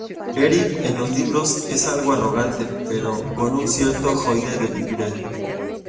Eric en los libros es algo arrogante, pero con un cierto "joie de vivre".